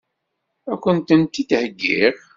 Ad kent-tent-id-heggiɣ?